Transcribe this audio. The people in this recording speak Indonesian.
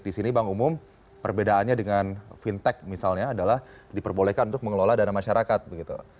di sini bank umum perbedaannya dengan fintech misalnya adalah diperbolehkan untuk mengelola dana masyarakat begitu